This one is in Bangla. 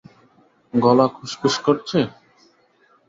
গলা খুশখুশ করছে?